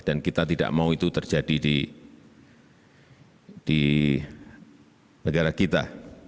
dan kita tidak mau itu terjadi di negara kita